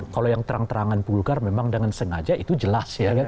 kalau yang terang terangan pulgar memang dengan sengaja itu jelas ya